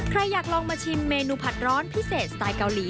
อยากลองมาชิมเมนูผัดร้อนพิเศษสไตล์เกาหลี